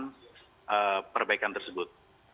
dengan perbaikan tersebut